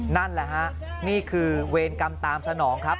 นั่นแหละฮะนี่คือเวรกรรมตามสนองครับ